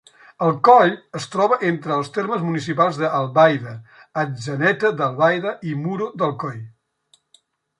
El coll es troba entre els termes municipals d'Albaida, Atzeneta d'Albaida i Muro d'Alcoi.